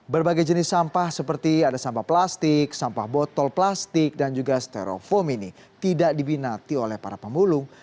berbagai jenis sampah seperti ada sampah plastik sampah botol plastik dan juga stereofoam ini tidak dibinati oleh para pemulung